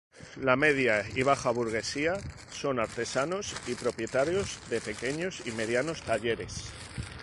La media y baja burguesía son artesanos y propietarios de pequeños y medianos talleres.